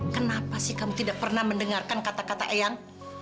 kenapa sih kamu tidak pernah mendengarkan kata kata eyang